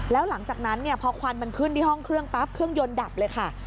แล้วหลังจากนั้นพอควันมันขึ้นที่ห้องเครื่องปั๊บเครื่องยนต์ดับเลยค่ะ